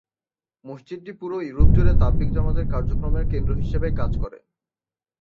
মসজিদটি পুরো ইউরোপ জুড়ে তাবলিগ জামাতের কার্যক্রমের কেন্দ্র হিসাবে কাজ করে।